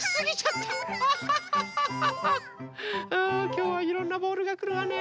きょうはいろんなボールがくるわね。